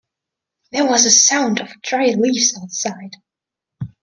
There was a sound of dry leaves outside.